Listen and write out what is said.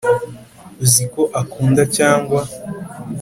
uziko akunda cyangwa